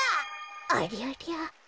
ありゃりゃ。